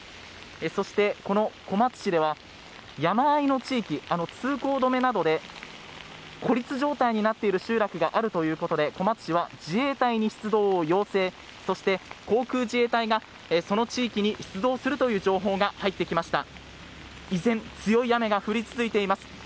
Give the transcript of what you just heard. そして、小松市では山間の地域、通行止めなどで孤立状態になっている集落があるということで小松市は自衛隊に出動を要請そして航空自衛隊がその地域に出動するという情報が入ってきました。